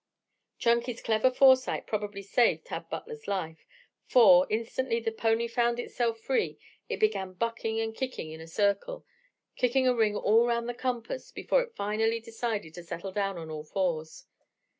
Chunky's clever foresight probably saved Tad Butler's life, for, instantly the pony found itself free, it began bucking and kicking in a circle, kicking a ring all round the compass before it finally decided to settle down on all fours.